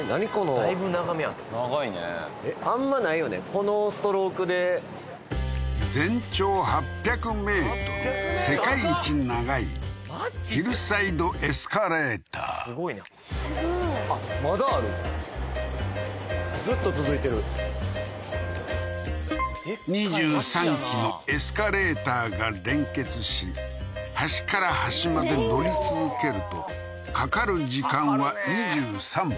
この全長８００ｍ世界一長いヒルサイド・エスカレーターすごいなすごい２３基のエスカレーターが連結し端から端まで乗り続けるとかかる時間は２３分